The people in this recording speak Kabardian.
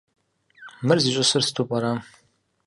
Мыр зищӀысыр сыту пӀэрэ?